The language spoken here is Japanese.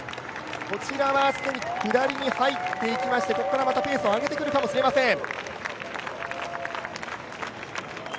こちらは既に左に入っていきまして、ここからまたペースを上げてくるかもしれません。